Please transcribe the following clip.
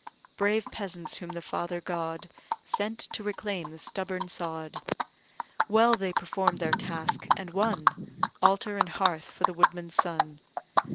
Brave peasants whom the Father, God, Sent to reclaim the stubborn sod; Well they perform'd their task, and won Altar and hearth for the woodman's son.